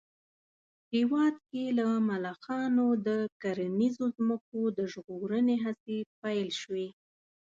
هېواد کې له ملخانو د کرنیزو ځمکو د ژغورنې هڅې پيل شوې